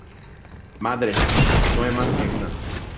Madre no hay más que una.